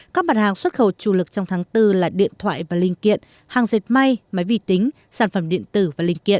các mặt hàng xuất khẩu chủ lực trong tháng bốn là điện thoại và linh kiện hàng dệt may máy vi tính sản phẩm điện tử và linh kiện